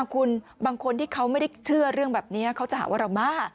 คุณบางคนที่เขาไม่ได้เชื่อเรื่องแบบนี้เขาจะหาว่าเรามา